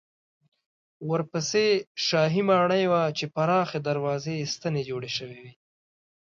ورپسې شاهي ماڼۍ وه چې پراخې دروازې یې ستنې جوړې شوې وې.